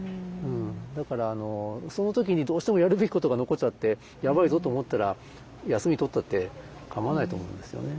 だからその時にどうしてもやるべきことが残っちゃってやばいぞと思ったら休み取ったって構わないと思うんですよね。